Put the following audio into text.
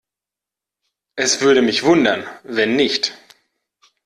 Es würde mich wundern, wenn nicht.